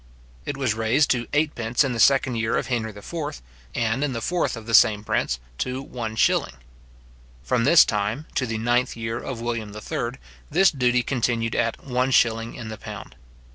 It was raised to eightpence in the second year of Henry IV.; and, in the fourth of the same prince, to one shilling. From this time to the ninth year of William III., this duty continued at one shilling in the pound.